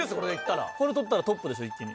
これ取ったらトップでしょ一気に。